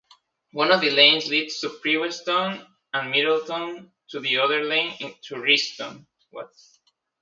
One of the lanes leads to Priestweston and Middleton, the other lane to Rhiston.